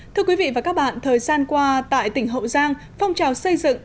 thưa quý vị và các bạn thời gian qua tại tỉnh hậu giang phong trào xây dựng